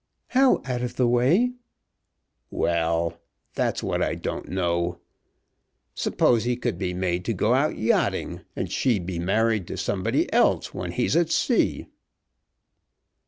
"How out of the way?" "Well; that's what I don't know. Suppose he could be made to go out yachting, and she be married to somebody else when he's at sea!"